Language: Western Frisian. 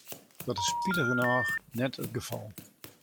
Dat is spitich genôch net it gefal.